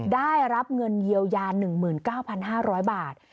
ได้รับเงินเยียวยา๑๙๕๐๐บาท